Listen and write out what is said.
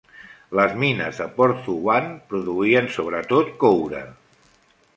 Les mines de Porthtowan produïen sobre tot coure.